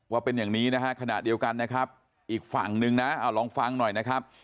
ว่าเป็นอย่างนี้นะฮะขณะเดียวกันนะครับอีกฝั่งนึงนะเอาลองฟังหน่อยนะครับ